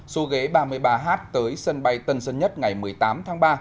số ghế ba mươi ba h tới sân bay tân sơn nhất ngày một mươi tám tháng ba